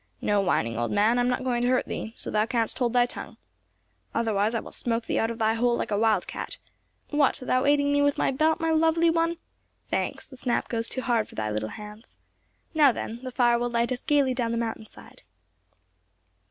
No whining, old man, I am not going to hurt thee, so thou canst hold thy tongue. Otherwise I will smoke thee out of thy hole like a wild cat! What, thou aiding me with my belt, my lovely one? Thanks; the snap goes too hard for thy little hands. Now, then, the fire will light us gaily down the mountain side."